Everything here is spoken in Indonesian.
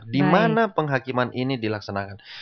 di mana penghakiman ini dilaksanakan